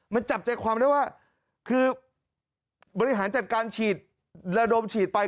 มันจับใจความได้ว่าคือบริหารจัดการฉีดระดมฉีดไป